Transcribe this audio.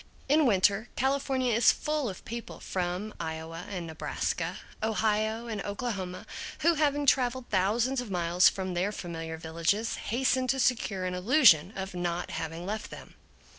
In winter, California is full of people from Iowa and Nebraska, Ohio and Oklahoma, who, having traveled thousands of miles from their familiar villages, hasten to secure an illusion of not having left them.